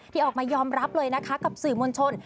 ออกมายอมรับเลยนะคะกับสื่อมวลชน